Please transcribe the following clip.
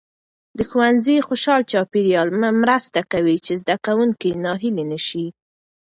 د ښوونځي خوشال چاپیریال مرسته کوي چې زده کوونکي ناهیلي نسي.